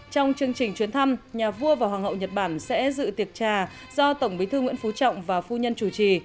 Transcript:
trong chương trình chuyến thăm nhà vua và hoàng hậu nhật bản sẽ dự tiệc trà do tổng bí thư nguyễn phú trọng và phu nhân chủ trì